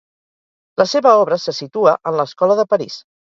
La seva obra se situa en l'Escola de París.